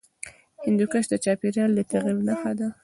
هندوکش د چاپېریال د تغیر نښه ده.